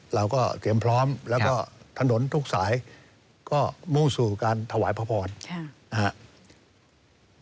เราก็เตรียมพร้อมแล้วก็ถนนทุกสายก็มุ่งสู่การถวายพระพรนะครับ